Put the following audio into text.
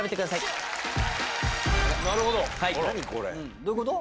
どういうこと？